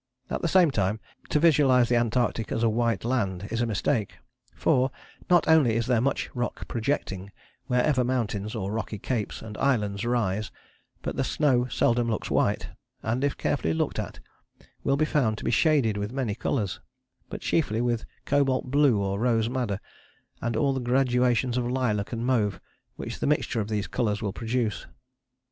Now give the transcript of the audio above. At the same time, to visualize the Antarctic as a white land is a mistake, for, not only is there much rock projecting wherever mountains or rocky capes and islands rise, but the snow seldom looks white, and if carefully looked at will be found to be shaded with many colours, but chiefly with cobalt blue or rose madder, and all the gradations of lilac and mauve which the mixture of these colours will produce.